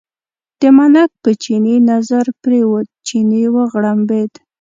د ملک په چیني نظر پرېوت، چیني وغړمبېد.